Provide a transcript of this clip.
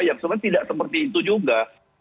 yang sebenarnya tidak seperti itu juga